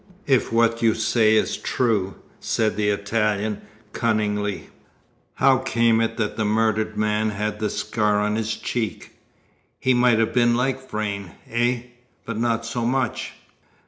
If what you say is true," said the Italian, cunningly, "how came it that the murdered man had the scar on his cheek? He might have been like Vrain, eh, but not so much."